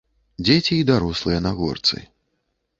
Дзеці і дарослыя на горцы.